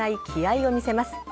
気合いを見せます。